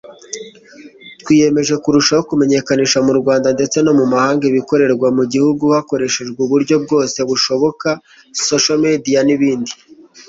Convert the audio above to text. twiyemeje kurushaho kumenyekanisha mu rwanda ndetse no mu mahanga ibikorerwa mu gihugu hakoreshejwe uburyo bwose bushoboka (social media n'ibindi